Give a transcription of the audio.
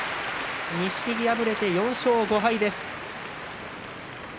錦木、敗れて４勝５敗です。